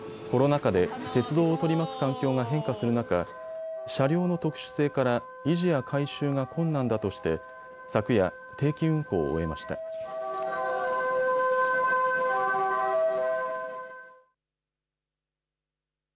コロナ禍で鉄道を取り巻く環境が変化する中、車両の特殊性から維持や改修が困難だとして昨夜、定期運行を終えました。